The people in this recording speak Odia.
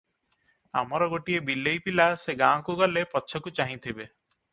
ଆମର ଗୋଟିଏ ବିଲେଇ ପିଲା ସେ ଗାଁକୁ ଗଲେ ପଛକୁ ଚାହିଁଥିବେ ।